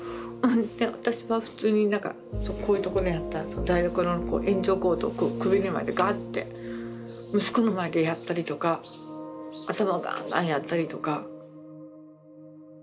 で私は普通に何かこういうところにあった台所の延長コードをこう首に巻いてガーッて息子の前でやったりとか頭ガンガンやったりとか。